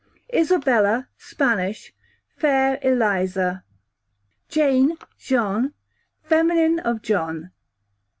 Isabella, Spanish, fair Eliza. Jane / Jeanne, feminine of John, _q.